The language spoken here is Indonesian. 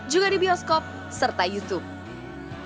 juga di bioskop serta youtube